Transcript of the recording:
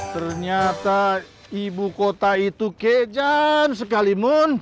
ternyata ibu kota itu kejam sekali mun